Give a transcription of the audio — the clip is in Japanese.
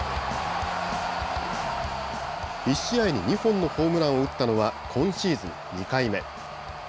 １試合に２本のホームランを打ったのは今シーズン２回目。